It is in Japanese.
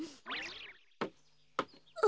あ。